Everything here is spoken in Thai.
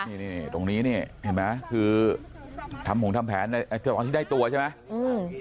นี่นี่ตรงนี้นี่เห็นไหมคือทำผงทำแผนตอนที่ได้ตัวใช่ไหมอืม